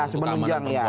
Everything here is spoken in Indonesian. ya harus menunjang ya